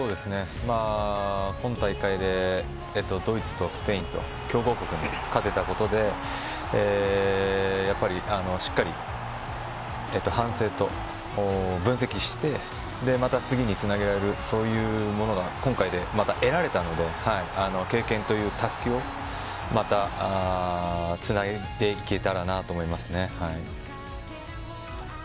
今大会でドイツとスペインと強豪国に勝てたことでしっかり、反省と分析をしてまた次につなげられるそういうものが今回でまた得られたので経験というたすきをまたつなげていけたらなと思います。